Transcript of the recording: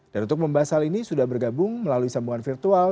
dan untuk membahas hal ini sudah bergabung melalui sambungan virtual